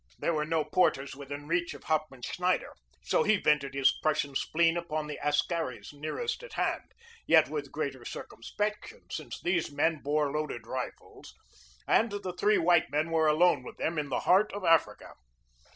There were no porters within reach of Hauptmann Schneider so he vented his Prussian spleen upon the askaris nearest at hand, yet with greater circumspection since these men bore loaded rifles and the three white men were alone with them in the heart of Africa.